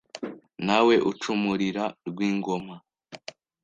Nta we ucumurira Rwingoma